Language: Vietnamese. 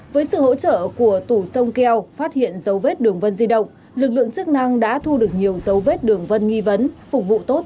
với sự hỗ trợ của tủ sông keo phát hiện dấu vết đường vân di động lực lượng chức năng đã thu được nhiều dấu vết đường vân nghi vấn phục vụ tốt